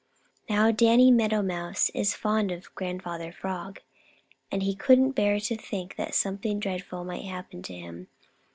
Now Danny Meadow Mouse is fond of Grandfather Frog, and he couldn't bear to think that something dreadful might happen to him.